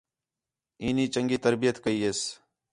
اینی چنڳی تربیت کَئی ہِس